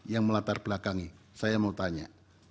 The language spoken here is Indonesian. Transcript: yang melatar belakangi saya mau tanya